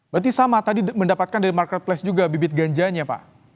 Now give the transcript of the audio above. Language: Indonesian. berarti sama tadi mendapatkan dari marketplace juga bibit ganjanya pak